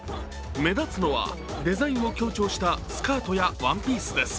目立つのはデザインを強調したスカートやワンピースです